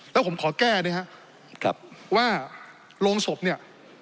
แล้วผมขอแก้นะครับว่าโรงศพเนี่ย